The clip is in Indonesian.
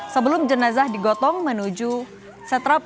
sebelum jenazah digotong menuju setrap